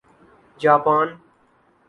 Japan